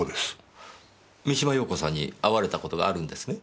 三島陽子さんに会われた事があるんですね？